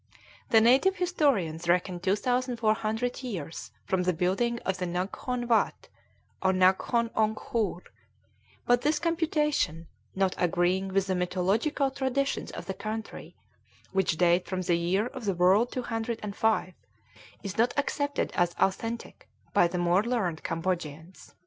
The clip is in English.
The native historians reckon 2,400 years from the building of the Naghkon Watt, or Naghkon Ongkhoor; but this computation, not agreeing with the mythological traditions of the country, which date from the Year of the World 205, is not accepted as authentic by the more learned Cambodians.